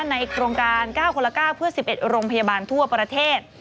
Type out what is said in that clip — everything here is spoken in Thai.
ในโครงการ๙คนละ๙เพื่อ๑๑โรงพยาบาลทั่วประเทศ